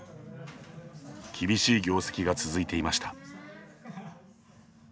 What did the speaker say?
厳しい業績が続いていました。